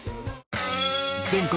全国